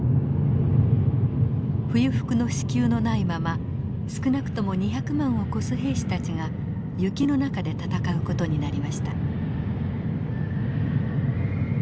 冬服の支給のないまま少なくとも２００万を超す兵士たちが雪の中で戦う事になりました。